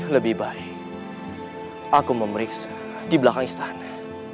lebih baik aku memeriksa di belakang istana